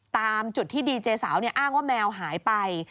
ตามจุดที่ดีเจสาวอ้างว่าแมวหายไป